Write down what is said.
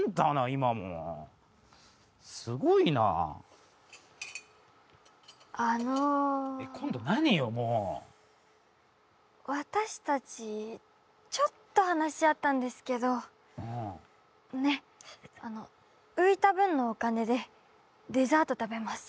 今もすごいなあの今度何よもう私たちちょっと話し合ったんですけどねっあの浮いた分のお金でデザート食べます